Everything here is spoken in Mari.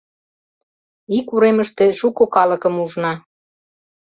Ик уремыште шуко калыкым ужна.